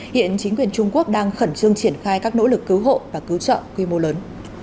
hiện chính quyền trung quốc đang khẩn trương triển khai các nỗ lực cứu hộ và cứu trợ quy mô lớn